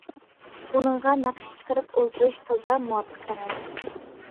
ئۇنىڭغا نەقىش چىقىرىپ ئولتۇرۇش تازا مۇۋاپىق ئەمەس.